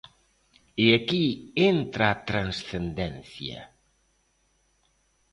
E aquí entra a transcendencia.